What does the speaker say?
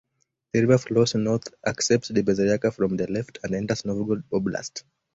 The river flows north, accepts the Berezayka from the left, and enters Novgorod Oblast.